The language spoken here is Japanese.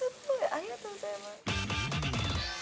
ありがとうございます。